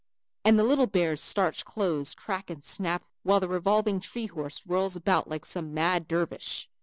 And the little bear's starched clothes crack and snap while the revolving tree horse whirls about like some mad dervish.